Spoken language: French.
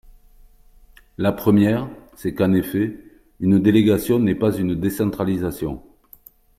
La première, c’est qu’en effet, une délégation n’est pas une décentralisation.